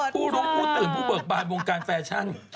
ผู้รู้ผู้ตื่นผู้เบิกบานวงการแฟชั่น